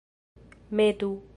metu